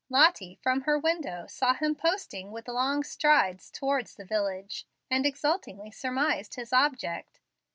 Lottie from her window saw him posting with long strides towards the village, and exultingly surmised his object.